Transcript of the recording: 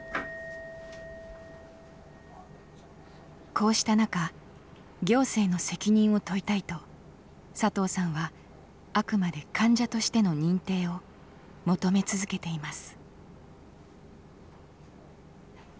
こうした中行政の責任を問いたいと佐藤さんはあくまで患者としての認定を求め続けています。